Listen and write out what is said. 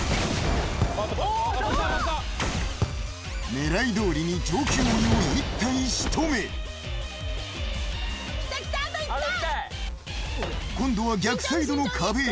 狙いどおりに上級鬼を１対仕留め今度は逆サイドの壁へ。